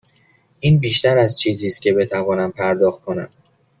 این بیشتر از چیزی است که بتوانم پرداخت کنم.